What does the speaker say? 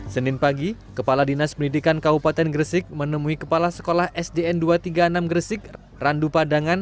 senin pagi kepala dinas pendidikan kabupaten gresik menemui kepala sekolah sdn dua ratus tiga puluh enam gresik randu padangan